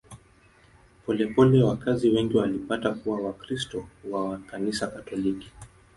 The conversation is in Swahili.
Polepole wakazi wengi walipata kuwa Wakristo wa Kanisa Katoliki.